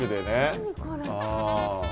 何これ。